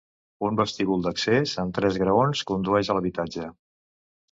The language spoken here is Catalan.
Un vestíbul d'accés, amb tres graons, condueix a l'habitatge.